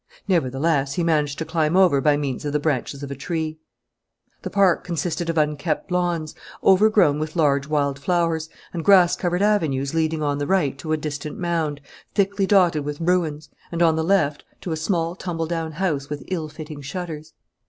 Nevertheless, he managed to climb over by means of the branches of a tree. The park consisted of unkept lawns, overgrown with large wild flowers, and grass covered avenues leading on the right to a distant mound, thickly dotted with ruins, and, on the left, to a small, tumbledown house with ill fitting shutters.